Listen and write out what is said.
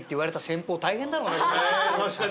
確かに。